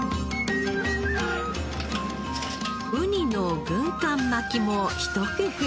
ウニの軍艦巻きもひと工夫。